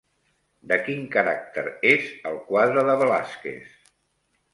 De quin caràcter és el quadre de Velázquez?